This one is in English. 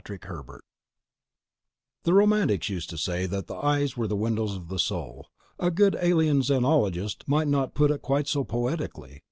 _The Romantics used to say that the eyes were the windows of the Soul. A good Alien Xenologist might not put it quite so poetically